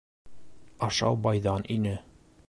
— Ашау байҙан ине.